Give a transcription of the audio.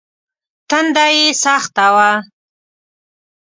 تنده يې سخته وه.